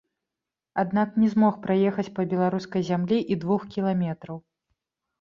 Аднак не змог праехаць па беларускай зямлі і двух кіламетраў.